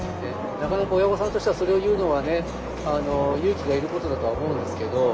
なかなか親御さんとしてはそれを言うのは勇気がいることだとは思うんですけど。